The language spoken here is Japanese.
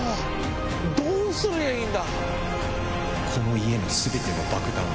どうすりゃいいんだ⁉